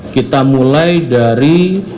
kita mulai dari